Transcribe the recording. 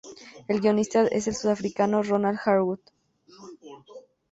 El guionista es el sudafricano Ronald Harwood.